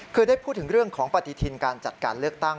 คือได้พูดถึงเรื่องของปฏิทินการจัดการเลือกตั้ง